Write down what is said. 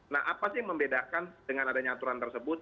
nah apa sih yang membedakan dengan adanya aturan tersebut